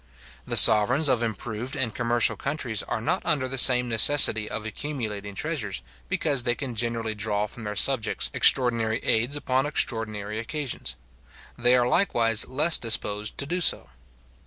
The sovereigns of improved and commercial countries are not under the same necessity of accumulating treasures, because they can generally draw from their subjects extraordinary aids upon extraordinary occasions. They are likewise less disposed to do so.